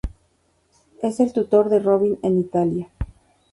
Es el tutor de Robin en Italia.